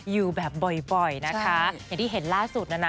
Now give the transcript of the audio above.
อยู่แบบบ่อยบ่อยนะคะอย่างที่เห็นล่าสุดนะนะ